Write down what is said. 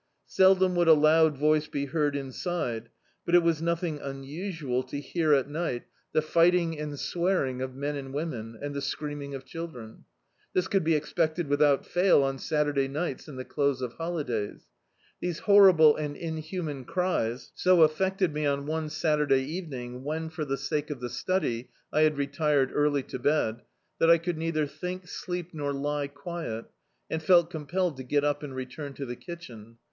Seldom would a loud voice be heard inside; but it was nothing unusual to hear at ni^t [J63] D,i.,.db, Google The Autobiography of a Super Tramp the fitting and swearing of men and women, and the screaming of children. This could be expected without fail on Saturday ni^ts and the close of holidays. These horrible and inhuman cries so af fected me on one Saturday evening, when, for the sake of the study, I had retired early to bed, that I could neither think, sleep nor lie quiet, and felt com pelled to get up and return to the kitchen.